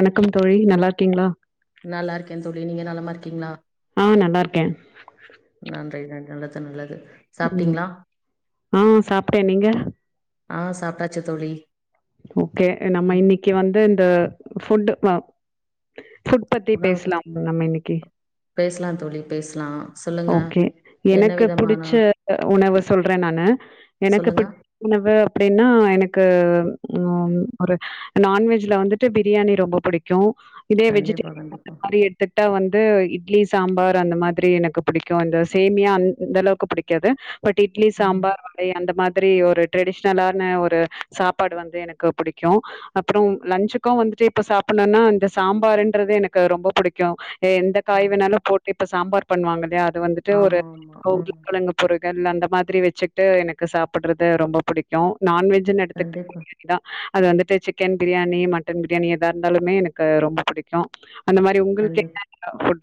வணக்கம் தோழி நல்லார்க்கீங்ளா நல்லார்க்கே தோழி நீங்க நலமா இர்க்கீங்ளா ஆ நல்லா இருக்கே நன்றி ந நல்லது நல்லது ம் சாப்ட்டீங்களா ஆ சாப்ட்டே நீங்க ஆ சாப்ட்டாச்சு தோழி ஓக்கே நம்ம ம் இன்னிக்கி வந்து இந்த ஃபுட்டு அ ஃபுட் பத்தி பேஸ்லாம் நம்ம இன்னிக்கி பேசலாம் தோழி பேசலாம் சொல்லுங்க ஓக்கே என்ன எனக்கு விதமான புடுச்ச உணவு சொல்றே நான் னு எனக்கு சொல்லுங்க புட் உணவு அப்டின்னா எனக்கு ம் ஒரு நான்வெஜ்ல வந்துட்டு பிரியாணி ரொம்ப புடிக்கு இதே கண்டிப்பா வெஜிடேரி கண்டிப்பா [unintelligible] மாரி எட்துட்டா வந் வந்து இட்லி சாம்பார் அந்த மாத்ரி எனக்கு புடிக்கு இந்த சேமியா அந்தளவ்க்கு புடிக்காது பட் இட்லி ம் சாம்பார் வடை அந்த மாதிரி ஒரு ட்ரெடிஷ்னலான ஒரு சா ப்பாடு வந்து எனக்கு புடிக்கு அப்றோ லஞ்சுக்கு வந்துட்டு இப்ப சாப்பணுன்னா இந்த சாம்பார்ன்றது எனக்கு ரொம்ப புடிக்கூ ஏ எந்த காய் வேணாலோ போட்டு இப்ப சாம்பார் பண்ணுவாங்கல்லயா அது வந்துட்டு ஒரு ஆமா ஆமா ம் ஊருளங்கெழங்கு பொரு அந்த மாதிரி வெச்சிக்ட்டு எனக்கு சாப்புட்றது ரொம்ப பிடிக்கு நான்வெஜ்ஜின் எடுத்துக் கண்டிப்பா [unintelligible] அது வந்துட்டு சிக்கன் பிரியாணி மட்டன் பிரியாணி எதார்ந்தாலுமே எனக்கு ரொம்ப புடிக்கூ உங்கள்க்கு கண்டிப்பா [unintelligible]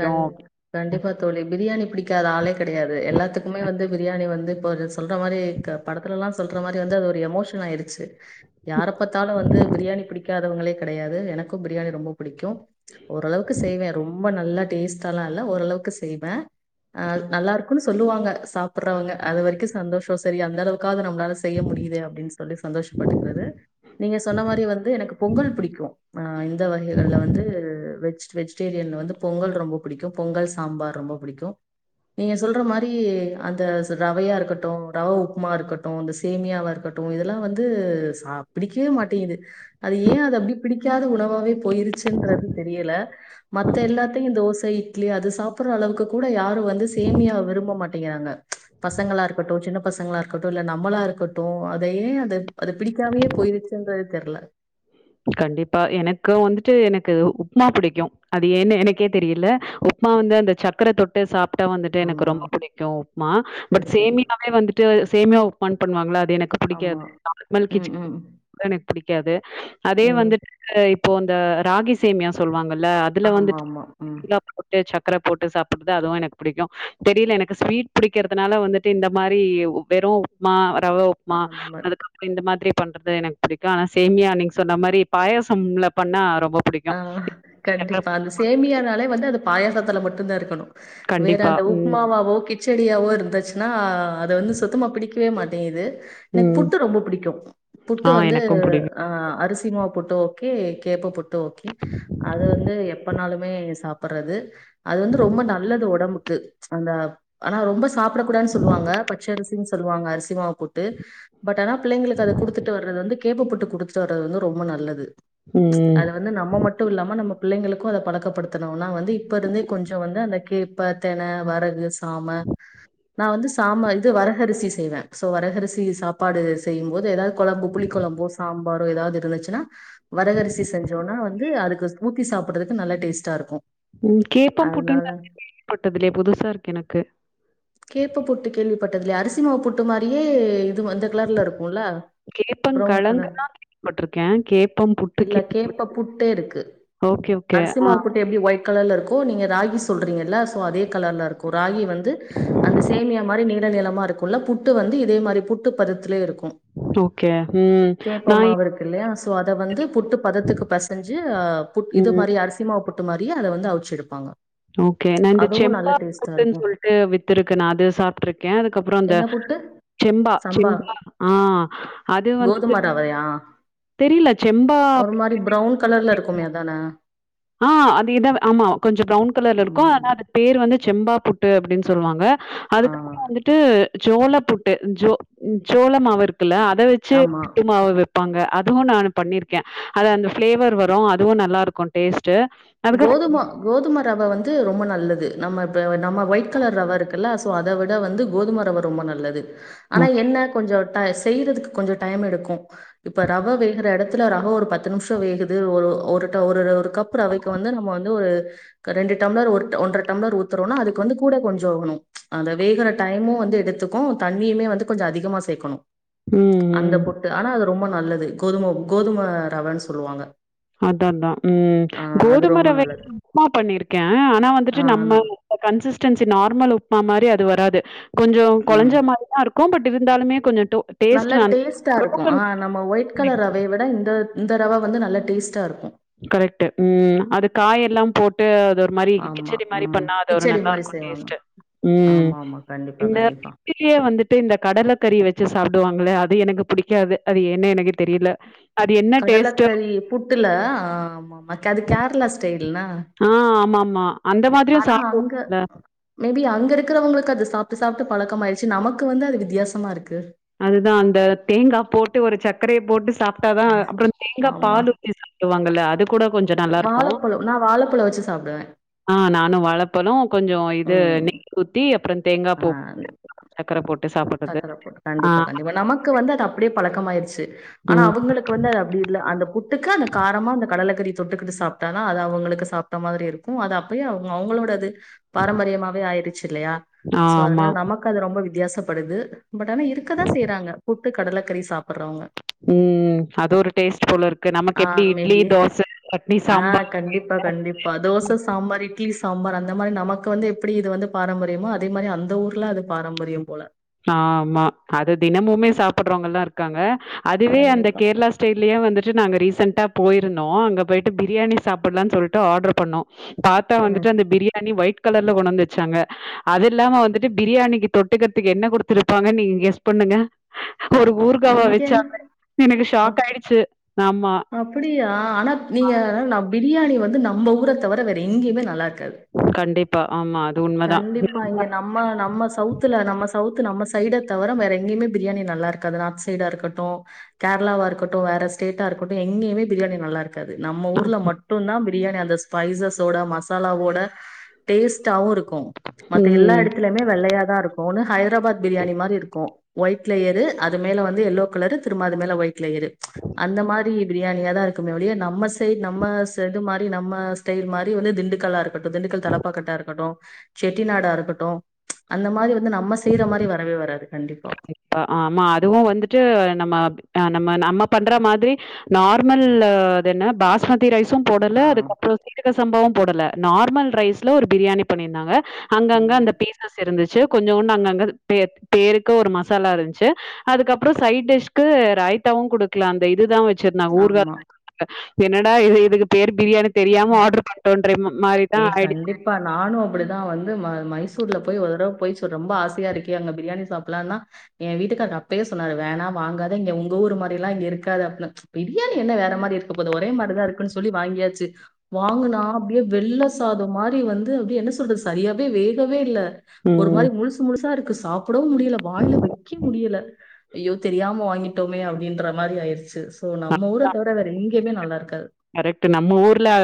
கண் கண்டிப்பா தோழி பிரியாணி புடிக்காத ஆளே கெடயாது எல்லாத்துக்குமே வந்து பிரியாணி வந்து இப்பொரு சொல்ற மாரி க படத்துலலா சொல்ற மாரி வந்து அது ஒரு எமோஷன் ஆயிடுச்சு யார பத்தாலு வந்து பிரியாணி பிடிக்காதவங்களே கடையாது எனக்கு பிரியாணி ரொம்ப பிடிக்கூ ஓரளவுக்கு செய்வே ரொம்ப நல்லா டேஸ்ட்டாலா இல்ல ஓரளவுக்கு செய்வ ஆ நல்லாருக்குன்னு சொல்லுவாங்க சாப்புர்ரவங்க அது வரிக்கு சந்தோஷோ செரி அந்த அளவுக்காது நம் மளால செய்ய முடியுது அப்டின் சொல்லி சந்தோஷப்பட்டுக்றது நீங்க சொன்ன மாரி வந்து எனக்கு பொங்கல் புடிக்கு ஆ இந்த வகைகள்ல வந்து வெஜ் வெஜ்டேரியன்ல வந்து பொங்கல் ரொம்ப புடிக்கூ பொங்கல் சாம்பார் ரொம்ப புடிக்கூ நீங்க சொல்ற மாரி அந்த ரவையார்க்கட்டூ ரவ உப்மார்க்கட்டூ இந்த சேமியாவார்க்கட் டூ இதெல்லா வந்து சா பிடிக்வே மாட்டேங்குது அது ஏ அது அப்டி பிடிக்காத உணவாவே போய்ரு சின்றது மத்த எல்லாத்தயு தோச இட்லி அது சாப்புர்ர அளவுக்கு கூட யாரு வந்து சேமியா விரும்ப மாட்டேங்குறா ங்க பசங்களார்க்கட்டு சின்ன பசங்களார்க்கட்டு இல்ல நம்மளார்க்கட்டூ அதயே அத அத பிடிக்காமே பொய்ருச்சுன்றது தெர்ல கண்டிப்பா எனக்கு வந்துட்டு எனக்கு உப்மா புடிக்கு அது ஏன்னு எனக்கே தெரியல்ல உப்மா நா வந்து அந்த சக்கர தொட்டு சாப் ப்டா வந்துட்டு எனக்கு ஆமா ரொம்ப புடிக்கு உப்மா பட் சரி சரி சேமியாவே வந்துட்டு சேமியா உப்புமான் பண்ணுவாங்கல்ல எனக்கு ஆமா பிடிக்காது நார்மல் ம் கிச்சடி ம் எனக்கு பிடிக்காது அதே ம் வந்துட்டு இப்போ இந்த ராகி சேமியா சொல்லுவாங்கல்ல அதுல ஆமா வந்துட்டு ஆமா ம் போட்டு சக் க்கர போட்டு சாப்புறது அதுவு எனக்கு புடிக்கூ தெரியல எனக்கு ஸ்வீட் பிடிக்கிறதுனால வந்துட்டு இந்த மாரி வெறு வெறும் உப்மா ரவா ஆ உப்மா அந்த மாரி அதுக்கப்பறோ இந்த மாதிரி பண்றது எனக்கு புடிக்கும் ஆனா சேமியா நீங் ங்ங சொன்ன மாரி பாயசம்ல பண்ணா ரொம்ப புடிக்கு ஆ ஆ சக்கர கண்டிப்பா அந்த சேமியானாலே வந்து அது பாயசத்துல மட்டுந்தா இருக்கணு வேற கண்டிப்பா அந்த ம் உப்புமாவாவோ கிச் கிச்செடியாவோ இருந்துச்சுனா அது வந்து சுத்தமா பிடிக்கவே மாட்டேங்கிது எனக்கு ம் புட்டு ரொம்ப புடிக்கும் புட்டு ஆ வந்து எனக்கும் புடிக்கு ஆ அரிசி அரிசிமா புட்டு ஓகே கேப்ப புட் த்து ஓகே அது வந்து எப்பனாலுமே சாப்புட்றது அது வந்து ரொம்ப நல்லது ஒடம்புக்கு க்கு அந்த ஆனா ரொம்ப சாப்புடக் கூடாதுன் சொல்லுவாங்க பச்சரிசி சொல்லுவாங்க அரிசி மாவு புட்டு பட் ஆனா பிள்ளைங்களுக்கு அத குடுத்துட்டு வர்றது வந்து கேப்பப்புட்டு குடுத்துட்டு வர்றது வந்து ரொம்ப நல்லது ம் அத வந்து நம்ம மட்டு இல்லாம நம்ம புள்ளைங்களுக்கு அத பழக்கப் படுத்துனோனா வந்து இப்ப இருந்தே கொஞ்சோ வந்து அந்த கேப்ப தென வரகு சாம நா வந்து சாம இது வரகரிசி செய்வே சோ வரகரிசி சாப்பாடு செய்யும் போது எதாவது கொழம்பு புளி கொழம்போ சாம்பாரோ எதாவது இருந்துச்சுன்னா வரகரிசி செஞ் ஞ்சோனா வந்து அதுக்கு ஊத்தி சாப்புறதுக்கு நல்லா டேஸ்ட்டா இருக்கு ம் கேப்ப புட்டுனு அதனால நா கேள்வி பட்டது இல்லையே புதுசா இருக்கு எனக்கு பட்டதில்லயே அரிசி மாவு புட்டு மாரியே இதுவு அந்த கலர்ல இருக்குல்ல ப்ரவுன் கேப்பங்கழங்கு கலர் தான் கேள்விப்பட்ருக்கே கேப்பம் புட்டு இல்ல கேப்ப கேள்விப்பட்டது புட்டே இருக்கு ஓகே ஓகே ஆ அரிசிமாவு புட்டு எப்டி ஒயிட் கலர்ல இருக்கு ப்போ நீங்க ராகி சொல்றீங்கல்ல சோ அதே கலர்ல இருக்கு ராகி வந்து அந்த சேமியா மாரி நீள நீளமா இருக் க்குள்ள புட்டு வந்து இதே மாரி புட்டு பதத்துலேயே இருக்கு ம் ஓகே ம் கேப்ப நா மாவு இருக்கு இல்லையா அத வந்து புட்டு பதத்துக்கு பெசஞ்சு அ புட் இது ம் மாரி அரிசி மாவு புட் ட்டு மாரியே அத வந்து அவுச்செடுப்பாங்க ஓகே நா இந்த செம்பா புட்டுன்னு இருக்கும் சொல்ட்டு வித்துருக்கு நா அது சாப்ட்ருக்கே அதுக்கப்பறோ அந்த என்ன புட்டு செம்பா சம்பா செம்பா ஆ அது வந்துட்டு கோதும ரவையா தெரியல ஒரு மாரி ப்ரௌன் கலர்ல இருக்குமே அதான ஆ அது இத ஆமா கொஞ்ச ப்ரவுன் கலர்ல இருக்கு ஆனா ம் அது பேர் வந்து செம்பா புட்டு அப்டின்னு சொல்லுவாங்க ஆ அதுக்கப்பறோ வந்துட்டு சோள புட்டு ஜோ சோள மாவு இருக்குல்ல அத வச்சு ஆமா. புட்டு மாவு வப் ப்பாங்க அதுவு நானு பண்ணிருக்கே அது அந்த பிளேவர் வரு அதுவு நல்லா இருக்கு டேஸ்ட் கோதுமா கோதும ரவ வந்து ரொம்ப நல்லது நம்ம இப்ப நம்ம ஒயிட் கலர் ரவ இருக்குல்ல க்கு அத விட வந்து கோதும ரவ ரொம்ப நல்லது ஆனா என்ன கொஞ்சோ ஆ செய்றதுக்கு கொஞ்ச டைம் எடுக்கும் இப்ப ரவ வேகுற எடத் த்துல ரவ ஒரு பத்து நிமிஷோ வேகுது ஒரு ஒரு ஒரு கப்பு ரவைக் இப்ப வந்து நம்ப வந்து ஒரு ரெண்டு டம்ளர் ஒரு ஒன்ற டம்ளர் ஊத்துரோனா அதுக்கு வந்து கூட கொஞ்சோ இருக்கணு அந்த வேகுற டைமு வந்து எடுத்துக்கு தண்ணியுமே வந்து கொஞ்ச அதிகமா சேக்கணும் ம், அந்த ம். புட்டு ஆனா அது ரொம்ப நல்லது கோதும கோதும ரவன்னு சொல்லுவாங்க அதா அதா ம் ஆ அது கோதும ரொம்ப நல்லது. ரவைக்கு உப்மா பண்ணிருக்கே ஆனா ஆ வந்துட்டு நம்ம ஆனா கன்சிஸ் சிஸ்டன்ஸி நார்மல் உப்புமா மாரி அது வராது கொஞ்சோ கொலஞ்ச மாரி தா இருக்கு பட் இருந்தாலுமே கொஞ்ச நல்ல டேஸ்டா இருக்கும் ஆ நம்ம ஒயிட் கலர் ரவைய விட இந்த இந்த ரவ வந்து நல்ல டேஸ்ட்டாருக்கும் கரெக்ட்டு ம் ம் அது காயெல்லா போட்டு அது ஒரு மாரி ஆமா. கிச்சடி மாரி ம். பண்ணா அது ஒரு கிச்சடி நல்லா மாரி இருக்கு செய்வாங்க. டேஸ்ட்டு ம் ம் ஆமாமா. கண்டிப்பா, இந்த கண்டிப்பா. கிட்சடீயே வந்துட்டு இந்த கடலக்கறி வச்சு சாப்புடுவாங்கள அது எனக்கு புடிக்காது அது ஏன்னு எனக்கு தெரியல அது என்ன டேஸ்ட்டு கடலக்கறி புட்டுல ஆ ஆமா நமக்கது கேரளா ஸ்டைல்னா ஆ ஆமாமா. அந்த மாதிரியும் ஆனா அங்க சாப்பிடுவாங்கல்ல. மே பி அங்க இருக்குறவங்களுக்கு அது சாப்ட்டு சாப்ட்டு பழக்கமாய்ருச்சி நமக்கு வந்து அது வித்தியாசமா இருக் அதுதா அந்த தேங்காப் போட்டு ஒரு சக்கரைய போட்டு சாப் ட்டாதா அப்பறொ தேங்காப் ஆமா. பாலு ஊத்தி சாப்டுவாங்கல்ல அது கூட கொஞ்சொ நல்லா இருக்கு வாழைப்பழம் நான் வாழைப்பழம் வச்சு சாப்பிடுவேன். ஆ நானு வாழப்பழொ கொஞ்சொ இது ம். நெய் ஊத்தி அப்பறொ தேங்காப் பூ [inaudible] சக்கரப் போட்டு சாப் சாப்பட்டு சக்கரப் போட் கண்டிப்பா கண்டிப்பா நமக்கு வந்து அது அப்டியே பழக்கமாயிருச்சு ஆனா ம் அவுங்களுக்கு வந்து அது அப்டி இல்ல அந்த புட்டுக்கு அந்த காரமா அந்த கடலக்கறி தொட்டுக்குட்டு சாப்ட்டானா அது அவுங்களுக்கு சாப்ட்ட மாதிரி இருக்கு அது அப்பயே அவுங்க அவ்ங்களோட இது பாரம்பரியமாவே ஆயிருச்சு இல்லையா சோ ஆமா அதனால நமக்கு அது ரொம்ப வித்தியாசப்படுது பட் ஆனா இருக்கதா செய்றாங்க புட்டு கடலக்கறி சாப்புர்றவங்க ம் அது ஒரு டேஸ்ட்ட் போல இருக்கு நமக்கு ஆ எப்டி இட்லி மேபி தோச சட்னி சாம்பார் [inaudible] பா கண்டிப்பா தோச சாம்பார் இட்லி சாம்பார் அந்த மாரி நமக்கு வந்து எப்டி இது வந்து பாரம்பரியமோ அதே மாரி அந்த ஊர்ல அது பாரம்பரியம் போல ஆமா அது தினமுமே சாப்புட்றவங்கல்லா இருக்காங்க அதுவே அந்த கண்டிப்பா கேர்ளா ஸ்டைல்லயே வந்துட்டு நாங்க ரீசண்ட்டா போயிருந்தோ அங்கப் போயிட்டு பிரியாணி சாப்புட்லான் சொல்ட்டு ஆட்ரு பண்ணோ பாத்தா ம் வந்துட்டு அந்த பிரியாணி ஒயிட் கலர்ல கொண்டு வந்து வெச்சாங்க அது இல்லாம வந்துட்டு பிரியாணிக்கு தொட்டுக்கற்த் துக்கு என்ன குடுத்துருப்பாங்கன் நீங்க கெஸ் பண்ணுங்க ஒரு ஊருகாவா இங்க வெச்சாங்க எனக்கு ஷாக் ஆயிடுச்சு ஆமா. அப்புடியா ஆனா நீங்க நா பிரியாணி வந்து நம்ப ஊர தவர வேற எங்கைமே நல்லா இருக்காது கண்டிப் கண்டிப்பா இங்க நம்ம நம்ம சௌத்துல நம்ம சௌத்து நம்ம சைட தவர வேற எங்கைமே பிரியாணி நல்லா இருக்காது நார்த் சைடா இருக்கட்டு கேர்ளாவா இருக்கட்டு வ ற ஸ்டேட்டா இருக்கட்டு எங்கையே பிரியாணி நல்லா இரு க்காது நம்ம ஊர்ல மட்டுந்தா பிரியாணி அந்த ஸ்பைசஸோட மசாலாவோட டேஸ் ட்டாவு இருக்கு மத்த எல்லா ம். எடத்லைமே வெள்ளையாதா இருக்கு ஒன்னு ஹைத்ராபாத் பிரியாணி மாரி இருக்கு ஒயிட் லேயரு அது மேல வந்து எல்லோ கலரு திரும்ப அது மேல ஒயிட் லேயரு அந்த மாரி பிரியாணியாதா இரு க்குமே ஒழிய நம்ம சைட் நம்ம ச இது மாரி நம்ம ஸ்டைல் மாரி வந்து திண்டுக்கலா இருக்கட்டு திண்டுக்கல் தலப்பாக்கட்டா இருக் கட்டு செட்டி நாடா இருக்கட்டு அந்த மாரி வந்து நம்ம செய்ற மாரி வரவே வராது கண்டிப்பா [inaudible] ப்பா ஆமா அதுவு வந்துட்டு நம்ம பி அ நம்ம நம்ம பண்ற மாதிரி நார்மல்லு இது என்ன பாஸ்மதி ரைஸ் ஸும் போடல ஆ அதுக்கப்றோ சீரக சம்பாவும் போடல நார்மல் ரைஸ்ல ஒரு பிரியாணி பண்ணியிருந்தாங்க அங்கங்க ம் அந்த பீசஸ் இருந்துச்சு கொஞ்சோண்டு அங்கங்க பே பேருக் கு ஒரு மசாலா இருந்த்ச்சு அதுக்கப்பறொ சைட் டிஷ்க்கு ரைத்தாவு குடுக்ல அந்த இதுதா வெச் சிர்ந்தாங் ஊர்கா ஆமா [inaudible] என்னடா இயது இதுக்கு பேர் பிரியாணி தெரியாம ஆர்டர் பண்ணிட்டோன்ற மாரி ஏ தான் ஆயிடுச்சு. கண்டிப்பா நானு அப்டிதா வந்து ம மைஸ் சூர்ல போய் ஒரு தடவ போய் ஸொ ரொம்ப ஆசையா இருக்கே அங்க பிரியாணி சாப்புல்லான்னா ஏ வீட்டுக்காரு அப்பவே சொன்னாரு வேணா வாங்காத இங்க உங்க ஊர் மாரில்லா இங்க இருக்காது அப்புன பிரியாணி என்ன வேற மாரி இருக்கப் போது ஒரே மாரிதா இருக்குன் சொல்லி வாங்கி யாச்சி வாங்குனா அப்டியே வெள்ள சாதம் மாரி வந்து அப்டியே என்ன சொல்றது சரியாவே வேகவே இல்ல ஒரு ம். மாரி முழுசு முழுசா இருக்கு சாப்புடவும் முடியல வாய்ல வெக்க முடியல ஐயோ தெரியாம வாங்கிட்டோமே அப்டின்ற மாரி ஆயிருச்சு சோ நம்ம ஊர தவர வேற எங்கய்மே நல்லா இருக்காது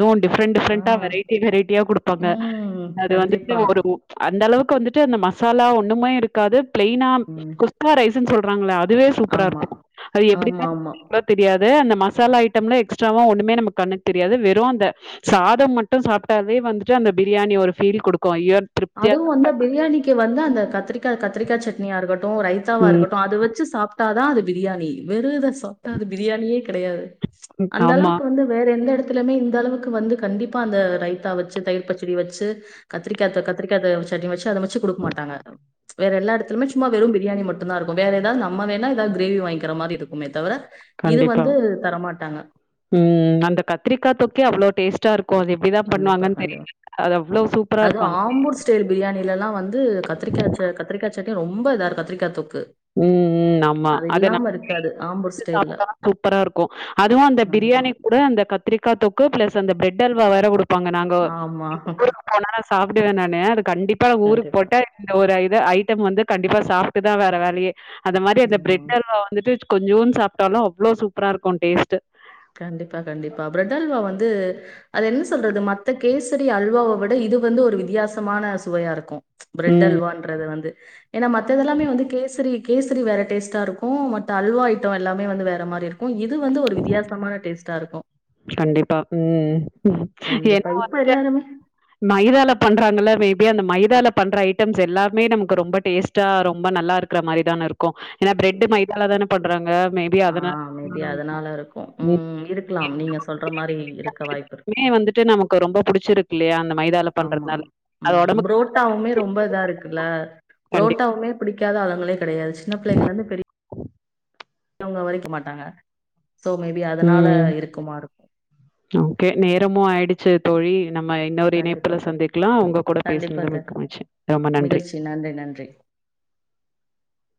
துவு டிஃப்ரண்ட் ஆ டிஃப்ரண்ட்டா வெரைட்டி வெரைட்டியா குடுப்பாங்க ம் அது வந்துட்டு கண்டிப்பா ஒரு ஒ அந்தளவுக்கு வந்துட்டு அந்த மசாலா ஆ ஒண்ணுமே இருக்காது ப்லெய்னா ம் குஸ்கா ரைஸுன் சொல்றாங்கல்ல அ துவே சூப்பரா ஆமா. இருக்கு அது ஆமா, எப்டின்னா ஆமா. டையாது அந்த மசாலா ஐட்டம்ல எக்ஸ்ட்ராவா ஒண்ணுமே நம்ம கண்ணுக்கு தெரியாது வெறு அந்த சாதம் மட்டு சாப்ட்டா வே வந்துட்டு அந்த பிரியாணி ஒரு ஃபீல் குடுக்கு ஐயோ திருப்தியா அதுவு வந்த பிரியாணிக்கு வந்து அந்த கத்திரிக்கா கத்திரிக்கா சட்னியா இருக்க ட்டு ரைத்தாவா ம். இருக்கட்டு அத வெச்சு சா ட்டாதா அது பிரியாணி வெறு இத சாப்ட்டா அது பிரியாணியே கெடயாது ம். அந்த ஆமா. அளவுக்கு வந்து வேற எந்த எட திலமே இந்த அளவுக்கு வந்து கண்டிப்பா அந்த ரைத்தா வெச்சு தயிர் பச்சடி வெச்சு கத்திரிக்கா தொக்க கத்திரிக்காது சட்னி வெச்சு அத வெச்சு குடுக் மாட்டாங்க வேற எல்லா எடத்துலுமே சும்மா வெறு பிரியாணி மட்டுந்தா இருக்கு வேற எதாவ் நம்ம வேணா எதாவ் கிரேவி வாய்ங்கிற மாரி இருக்குமே தவர கண்டிப்பா ம் அந்த கத்திரிக்கா தொக்கே அவ்ளோ டேஸ்ட்டாரு க்கு அது எப்டிதா கண்டிப்பா, பண்ணுவாங்கன் கண்டிப்பா. தெரில அது அவ்ளோ சூப்பராருக்கு அதுவும் அ க்காச்ச கத்திரிக்கா சட்னி ரொம்ப இதாரு கத்திரிக்கா தொ ம் ம் ஆம்மா அத நா வீ [inaudible] இருக்காது. ஆம்பூர் ஸ்டைல்ல. சாப்ட்டா சூப்பரா இருக்கு அதுவு அந்த கண்டிப்பா. பிரியாணிக் கூட அந்த கத்திரிக்கா தொக்கு ப்ளஸ் அந்த பிரெ ட்டல்வா வேற குடுப்பாங்க நாங்கோ ஆமா. [inaudible] ஊருக்கு போனா சாப்டுவே நானு அது கண்டிப்பா ஊருக்கு கண்டிப்பா. போட்டா இந்த ஒரு இது ஐட்டம் வந்து கண்டிப்பா சாப்ட்டுதா வேற வே அந்த மாரி அந்த ம். பிரெட் அல்வா வந்துட்டு கொஞ்சூண் சாப்டாலு அவ்ளோ சூப்பராருக்கு டேஸ்ட்டு கண்டிப்பா கண்டிப்பா பிரெட் அல்வா வந்து அது என்ன சொல்றது மத்த கேசரி அல்வாவ விட இ இது வந்து ஒரு வித்தியாசமான சுவையாருக்கு பிரெட் ம் அல்வான்றது வந்து ஏனா மத்ததெல்லாமே வந்து கேசரி கேசரி வேற டேஸ்ட்டாருக்கு மத்த அல்வா ஐட்டோ எல்லாமே வந்து வேற மாரி இருக்கு இது வந்து ஒரு வித்தியா த்தமான டேஸ்ட்டா இருக்கு கண்டிப்பா ம் கண்டிப்பா. என்னா இப்ப வந்ட்டு எல்லாருமே மைதால பண்றாங்கள்ல மேபி அந்த மைதால பண்ற ஐட்டம்ஸ் எல்லாமே நமக்கு ரொம்ப டேஸ்ட்டா ரொம்ப நல்லா இருக்கற மாரிதான இருக்கு ஏனா பிரெட்டு மைதால தான பண்றாங்க மேபி ஆ அதனால [inaudible] ஆம் நீங்க சொல்ற மாரி இருக்க வாய்ப்பிரு வந்துட்டு நமக்கு ரொம்ப புடிச்சிருக்கு இல்லையா அந்த மைதால ஆமா பண்றதுனால அது ம் புரோட்டாவுமே உடம்புக்கு ரொம்ப இதா இருக்குல்ல கண்டி புரோட்டாவுமே பிடிக்காத ஆளுங்களே கெடையாது சின்ன புள்ளைங்கலருந்து பெரி யவங்க வரைக்கி மாட்டாங்க சோ மேபி அதனால ம் இருக்குமா இருக்கும் ஓகே நேரமு ஆயிடுச்சு தோழி நம்ம இன்னொரு கண்டிப்பா இணைப்புல தோழி சந்திக்லா உங்க கூட கண்டிப்பா பேசுனதுல தோழி மிக்க மகிச்சி ரொம்ப நன்றி மகிழ்ச்சி நன்றி நன்றி [inaudible]